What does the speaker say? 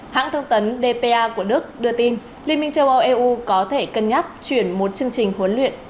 hãng thông tấn dpa của đức đưa tin liên minh châu âu eu có thể cân nhắc chuyển một chương trình huấn luyện